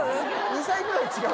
２歳ぐらい違う。